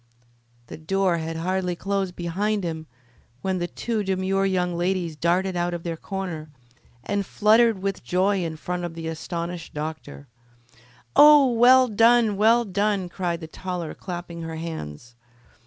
The door had hardly closed behind him when the two demure young ladies darted out of their corner, and fluttered with joy in front of the astonished doctor. "Oh, well done! well done!" cried the taller, clapping her hands.